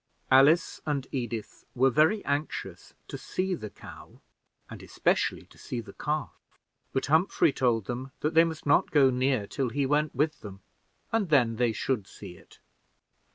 Alice and Edith were very anxious to see the cow, and especially to see the calf; but Humphrey told them that they must not go near till he went with them, and then they should see it.